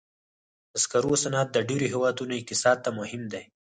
د سکرو صنعت د ډېرو هېوادونو اقتصاد ته مهم دی.